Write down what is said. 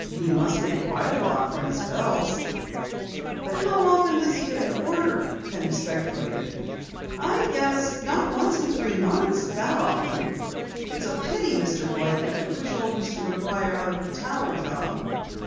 "He must make quite a lot from his bells." "But how often does he get an order?" Penny speculated. "I'd guess not once in three months, if that often. It's a pity Mr. Blake had to push Mr. McGuire out of the tower job."